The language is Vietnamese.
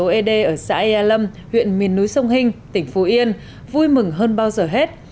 tổ ế đê ở xã ea lâm huyện miền núi sông hinh tỉnh phú yên vui mừng hơn bao giờ hết